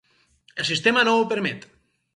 El sistema no ho permet.